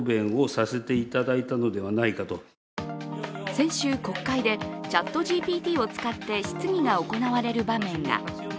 先週、国会でＣｈａｔＧＰＴを使って質疑が行われる場面が。